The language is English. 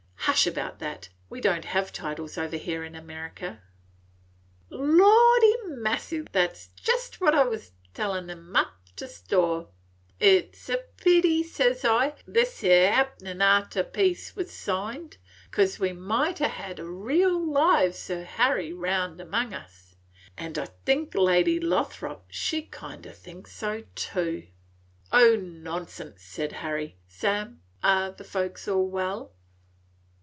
"Hush about that! We don't have titles over here in America." "Lordy massy, that 's just what I wus a tellin' on 'em up to store. It 's a pity, ses I, this yere happened arter peace was signed, 'cause we might ha' had a real live Sir Harry round among us. An' I think Lady Lothrop, she kind o' thinks so too." "O nonsense!" said Harry. "Sam, are the folks all well?"